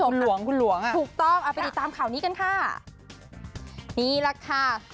หลวงคุณหลวงอ่ะถูกต้องเอาไปติดตามข่าวนี้กันค่ะนี่แหละค่ะ